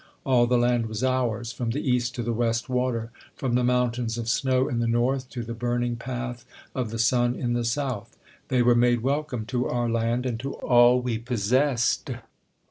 All the land was ours, from the cast to the west water; from the mountains of snow in the north, to the burn ing path of the sun in the south. They were made welcome to our land and to all we possessed.